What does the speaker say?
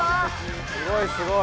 すごいすごい。